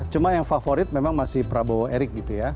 cuma yang favorit memang masih prabowo erick gitu ya